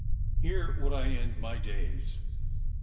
here would I end my days."